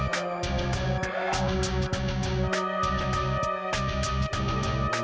aku belum mau mati